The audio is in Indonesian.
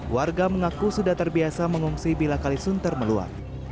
warga mengaku sudah terbiasa mengungsi bila kalisun termeluar